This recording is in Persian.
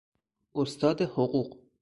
استاد حقوق